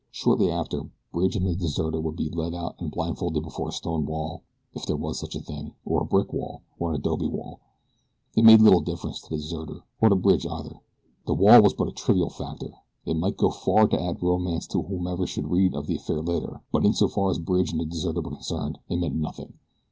Shortly after, Bridge and the deserter would be led out and blindfolded before a stone wall if there was such a thing, or a brick wall, or an adobe wall. It made little difference to the deserter, or to Bridge either. The wall was but a trivial factor. It might go far to add romance to whomever should read of the affair later; but in so far as Bridge and the deserter were concerned it meant nothing.